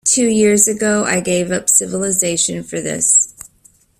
Two years ago I gave up civilization for this.